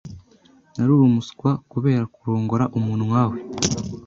Nari umuswa kubera kurongora umuntu nka we.